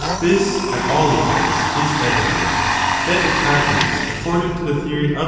This, at all events, is evident, Emped<Seaa that it happens, according to the theory of dogma.